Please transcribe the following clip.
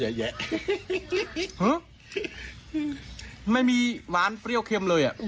หึไม่มีหวานเฟรี่ยวเค็มเลยยัง